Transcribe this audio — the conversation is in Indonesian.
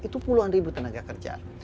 itu puluhan ribu tenaga kerja